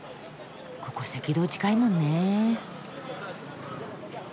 ここ赤道近いもんね。